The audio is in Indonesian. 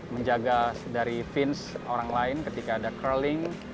menjaga dari fins orang lain ketika ada cralling